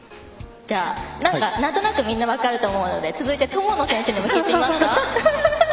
なんとなくみんな分かると思うので友野選手にも聞いてみますか。